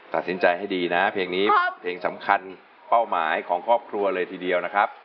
ตัดสินใจให้ดีนะเพลงนี้เพลงสำคัญเป้าหมายของครอบครัวเลยทีเดียวนะครับ